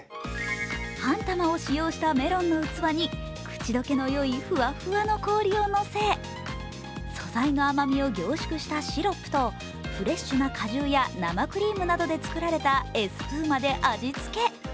半玉を使用したメロンの器に口溶けのよいふわふわの氷をのせ、素材の甘みを凝縮したシロップと、フレッシュな果汁や生クリームなどで作られたエスプーマで味付け。